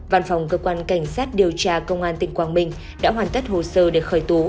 văn phòng cơ quan cảnh sát điều tra công an tỉnh quảng bình đã hoàn tất hồ sơ để khởi tố